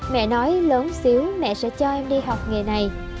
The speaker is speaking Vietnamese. mẹ nói lớn xíu mẹ sẽ cho em đi học nghề này